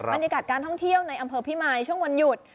บรรยากาศการท่องเที่ยวในอำเภอพิมายช่วงวันหยุด